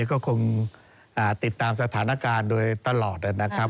ก็คงติดตามสถานการณ์โดยตลอดนะครับ